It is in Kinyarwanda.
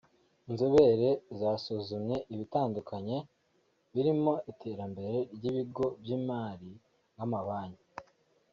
Inzobere zasuzumye ibitandukanye birimo iterambere ry’ibigo by’imari nk’amabanki